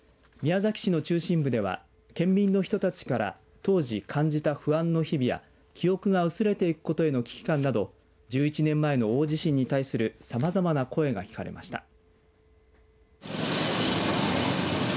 宮崎市の中心部では県民の人たちから当時感じた不安の日々や記憶が薄れていくことへの危機感など１１年前の大地震に対するさまざまな声が聞かれました。